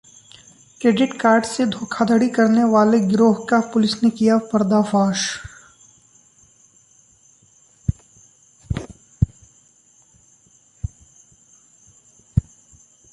credit card से धोखाधड़ी करने वाले गिरोह का पुलिस ने किया पर्दाफाश